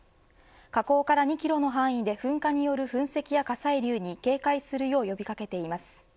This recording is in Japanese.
火口から２キロの範囲で噴火による噴石や火砕流に警戒するよう呼び掛けています。